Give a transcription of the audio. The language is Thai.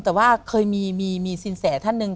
แต่ว่าเคยมีสินแสท่านหนึ่ง